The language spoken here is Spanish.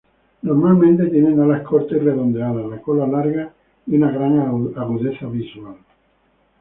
Normalmente tienen alas cortas y redondeadas, la cola larga y una gran agudeza visual.